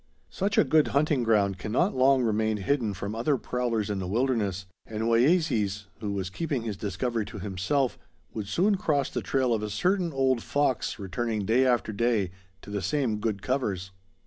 Such a good hunting ground cannot long remain hidden from other prowlers in the wilderness; and Wayeeses, who was keeping his discovery to himself, would soon cross the trail of a certain old fox returning day after day to the same good covers.